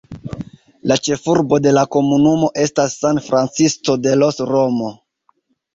La ĉefurbo de la komunumo estas San Francisco de los Romo.